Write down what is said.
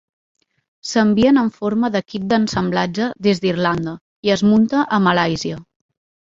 S'envien en forma de kit d'ensamblatge des d'Irlanda i es munta a Malàisia.